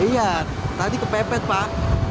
iya tadi kepepet pak